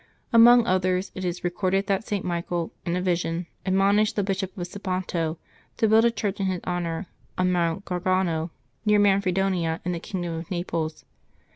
Among others, it is re corded that St. Michael, in a vision, admonished the Bishop of Siponto to build a church in his honor on Mount Gar gano, near Manfredonia, in the kingdom of Naples.